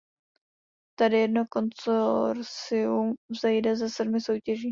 Tedy jedno konsorcium vzejde ze sedmi soutěží.